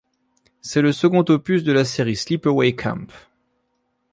C'est le second opus de la série Sleepaway Camp.